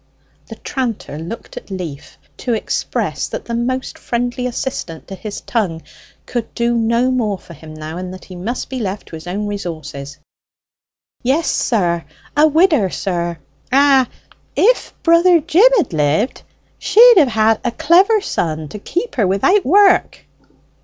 The tranter looked at Leaf to express that the most friendly assistant to his tongue could do no more for him now, and that he must be left to his own resources. "Yes, sir: a widder, sir. Ah, if brother Jim had lived she'd have had a clever son to keep her without work!"